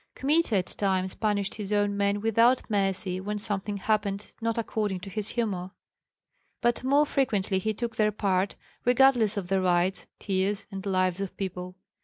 Kmita at times punished his own men without mercy when something happened not according to his humor; but more frequently he took their part, regardless of the rights, tears, and lives of people.